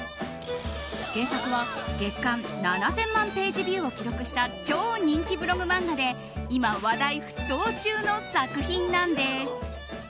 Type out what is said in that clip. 原作は月間７０００万ページビューを記録した、超人気ブログ漫画で今話題沸騰中の作品なんです。